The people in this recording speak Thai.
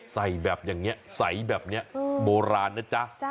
ใส่แบบอย่างนี้ใสแบบนี้โบราณนะจ๊ะ